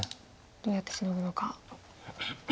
どうやってシノぐのか。